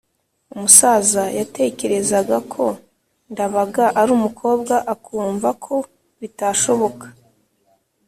Umusaza yatekereza ko Ndabaga ari umukobwa akumva ko bitashoboka.